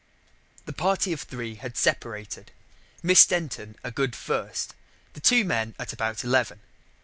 The party of three had separated. Miss Denton a good first, the two men at about eleven.